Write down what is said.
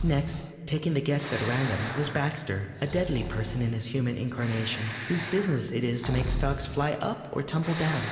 Next, taking the guests at random, was Baxter, a deadly person in his human incarnation, whose business it is to make stocks fly up or tumble down.